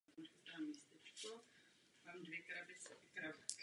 Sám Bolzano dal Robertovi lekce v matematice.